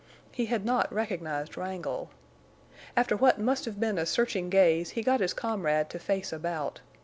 He had not recognized Wrangle. After what must have been a searching gaze he got his comrade to face about.